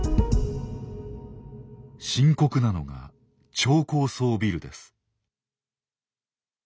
深刻なのが超高層ビルです。